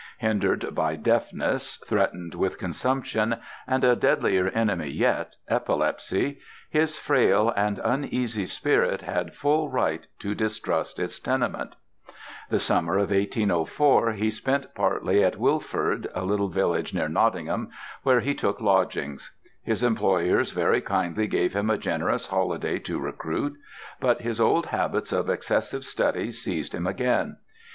Hindered by deafness, threatened with consumption, and a deadlier enemy yet—epilepsy—his frail and uneasy spirit had full right to distrust its tenement. The summer of 1804 he spent partly at Wilford, a little village near Nottingham where he took lodgings. His employers very kindly gave him a generous holiday to recruit; but his old habits of excessive study seized him again.